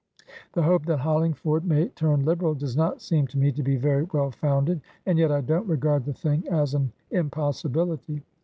The hope that Hollingford may turn Liberal does not seem to me to be very well founded, and yet I don't regard the thing as an impossibility.